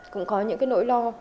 cũng có những cái nỗi lo